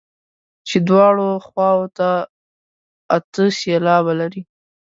چې دواړو خواوو ته اته سېلابه لري.